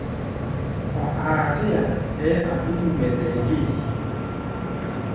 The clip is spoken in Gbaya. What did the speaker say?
Kɔ̧ aa tɛ́-a ɓɛɛ́ a̧ dúk mgbɛzɛlɛ gée.